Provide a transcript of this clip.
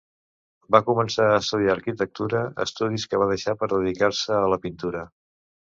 Va començar a estudiar arquitectura, estudis que va deixar per dedicar-se a la pintura.